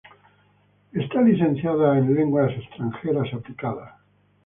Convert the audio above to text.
Es licenciada en Lenguas Extranjeras Aplicadas.